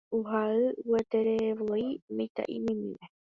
Ohayhuetereivoi mitã'imimíme.